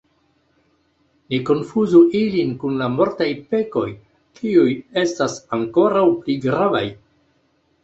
Ne konfuzu ilin kun la mortaj pekoj, kiuj estas ankoraŭ pli gravaj.